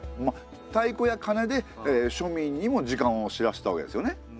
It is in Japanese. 太鼓や鐘で庶民にも時間を知らせたわけですよね。